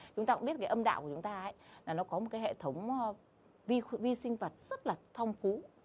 chúng ta cũng biết cái âm đạo của chúng ta là nó có một hệ thống vi sinh vật rất là thông cú